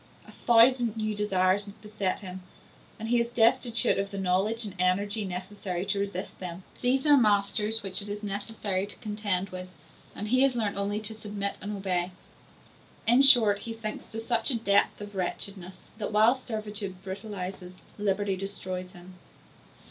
A thousand new desires beset him, and he is destitute of the knowledge and energy necessary to resist them: these are masters which it is necessary to contend with, and he has learnt only to submit and obey. In short, he sinks to such a depth of wretchedness, that while servitude brutalizes, liberty destroys him.